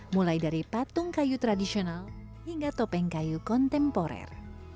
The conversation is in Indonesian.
mulai dari patung kayu tradisional hingga topeng kayu kontemporer